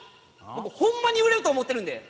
僕ホンマに売れると思ってるんで。